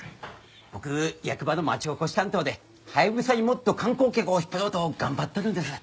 僕役場の町おこし担当でハヤブサにもっと観光客を引っ張ろうと頑張っとるんです。